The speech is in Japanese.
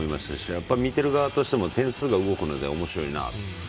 やっぱり見ている側としても点数が動くのでおもしろいなと。